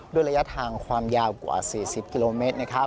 ระยะทางความยาวกว่า๔๐กิโลเมตร